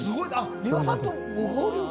美輪さんとご交流が。